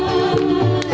aku masih mandi